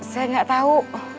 saya gak tahu